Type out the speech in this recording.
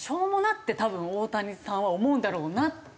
って多分大谷さんは思うんだろうなって。